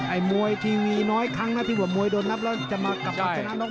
มวยทีวีน้อยครั้งนะที่ว่ามวยโดนนับแล้วจะมากลับมาชนะน็อก